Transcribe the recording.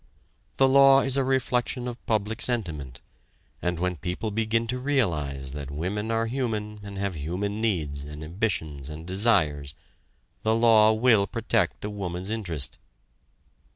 The law is a reflection of public sentiment, and when people begin to realize that women are human and have human needs and ambitions and desires, the law will protect a woman's interest.